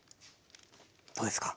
どうですか？